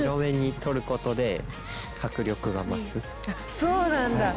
そうなんだ。